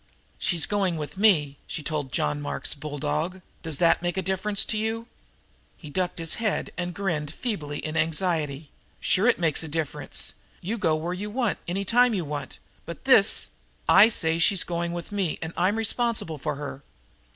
"She's going with me," she told John Mark's bulldog. "Does that make a difference to you?" He ducked his head and grinned feebly in his anxiety. "Sure it makes a difference. You go where you want, any time you want, but this " "I say she's going with me, and I'm responsible for her."